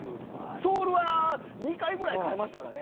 ソールは２回ぐらい替えましたかね。